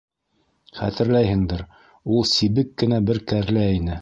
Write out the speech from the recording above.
Хәтерләйһеңдер, ул сибек кенә бер кәрлә ине.